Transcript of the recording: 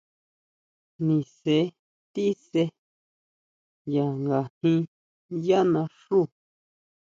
Nise tíse ya ngajín yá naxú.